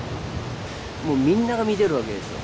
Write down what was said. もうみんなが見てるわけですよ。